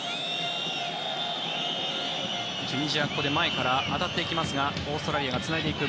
チュニジアはここで前から当たっていきますがオーストラリアがつないでいく。